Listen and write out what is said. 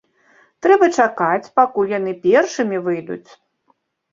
Трэба чакаць, пакуль яны першымі выйдуць.